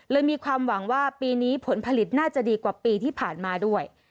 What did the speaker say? มีความหวังว่าปีนี้ผลผลิตน่าจะดีกว่าปีที่ผ่านมาด้วย